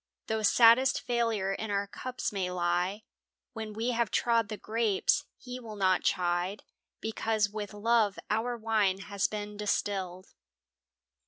Though saddest failure in our cups may lie When we have trod the grapes, He will not chide, Because with love our wine has been distilled.